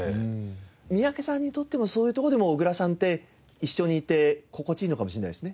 三宅さんにとってもそういうところでも小倉さんって一緒にいて心地いいのかもしれないですね。